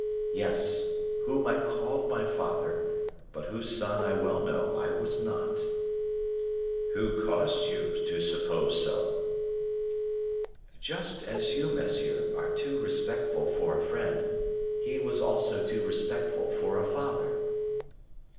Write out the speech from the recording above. "Yes; whom I called my father, but whose son I well knew I was not." "Who caused you to suppose so?" "Just as you, monsieur, are too respectful for a friend, he was also too respectful for a father."